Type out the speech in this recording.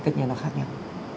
tất nhiên nó khác nhau